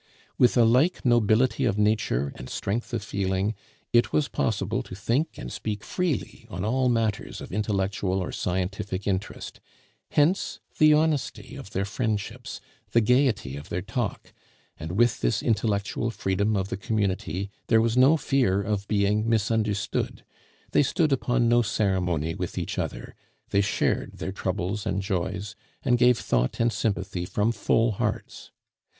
With a like nobility of nature and strength of feeling, it was possible to think and speak freely on all matters of intellectual or scientific interest; hence the honesty of their friendships, the gaiety of their talk, and with this intellectual freedom of the community there was no fear of being misunderstood; they stood upon no ceremony with each other; they shared their troubles and joys, and gave thought and sympathy from full hearts.